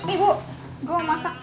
ibu gue mau masak